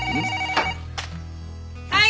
はい。